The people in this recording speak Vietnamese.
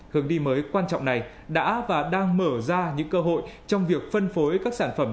hướng đi mới quan trọng này đã và đang mở ra những cơ hội trong việc phân phối các sản phẩm